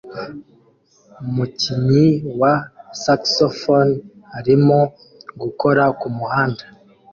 Umukinyi wa saxofone arimo gukora kumuhanda